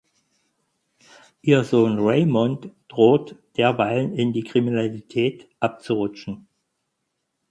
Ihr Sohn Raymond droht derweil in die Kriminalität abzurutschen.